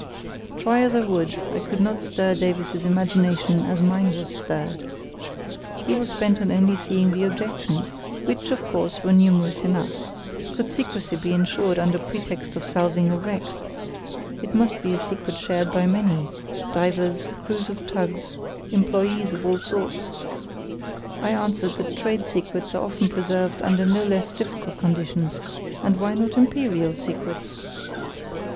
Try as I would I could not stir Davies's imagination as mine was stirred. He was bent on only seeing the objections, which, of course, were numerous enough. Could secrecy be ensured under pretext of salving a wreck? It must be a secret shared by many—divers, crews of tugs, employees of all sorts. I answered that trade secrets are often preserved under no less difficult conditions, and why not imperial secrets?